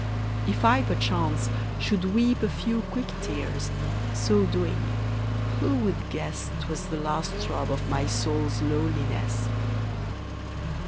If I, perchance, should weep A few quick tears, so doing, who would guess 'Twas the last throb of my soul's loneliness?